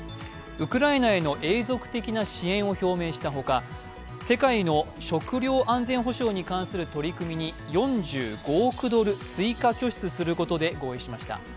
ウクライナへの永続的な支援を表明したほか世界の食糧安全保障に関する取り組みに４５億ドル追加拠出することで合意しました。